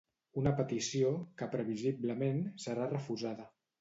Una petició, que previsiblement, serà refusada.